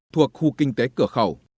thuộc khu kinh tế cửa khẩu